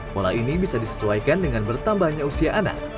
pola ini bisa disesuaikan dengan bertambahnya usia anak